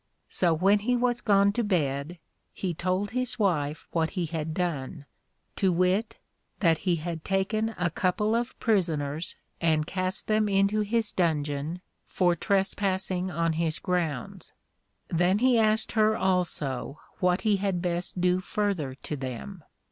So when he was gone to bed, he told his Wife what he had done, to wit, that he had taken a couple of Prisoners and cast them into his Dungeon, for trespassing on his grounds. Then he asked her also what he had best do further to them.